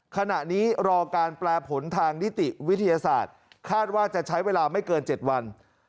ขณะนี้รอการแปลผลทางนิติวิทยาศาสตร์คาดว่าจะใช้เวลาไม่เกิน๗วัน